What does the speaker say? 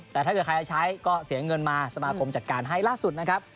แต่ถ้าเกิดใครจะใช้ก็เสียเงินมาสมาคมจัดการให้ล่าสุดนะครับ